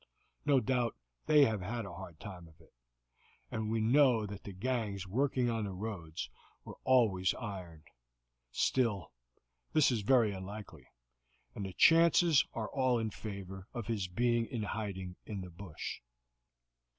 No doubt they have a hard time of it, and we know that the gangs working on the roads are always ironed. Still, this is very unlikely, and the chances are all in favor of his being in hiding in the bush.